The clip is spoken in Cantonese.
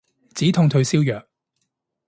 止痛退燒藥